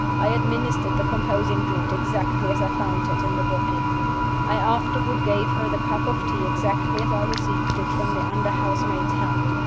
I administered the composing draught exactly as I found it in the bottle. I afterward gave her the cup of tea exactly as I received it from the under housemaid's hand.